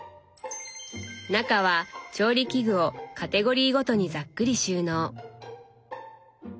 中は調理器具をカテゴリーごとにざっくり収納。